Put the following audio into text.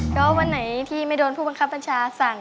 ก็วันไหนที่ไม่โดนผู้บังคับบัญชาสั่ง